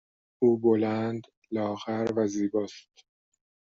او بلند، لاغر و زیبا است.